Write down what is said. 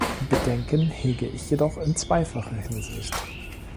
Bedenken hege ich jedoch in zweifacher Hinsicht.